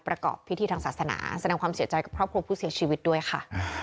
พิธีทางศาสนาแสดงความเสียใจกับพระองค์ผู้เสียชีวิตด้วยค่ะ